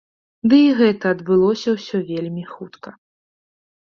Ды і гэта адбылося ўсё вельмі хутка.